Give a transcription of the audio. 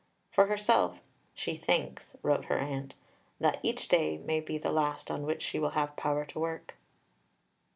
For herself she "thinks," wrote her aunt, "that each day may be the last on which she will have power to work."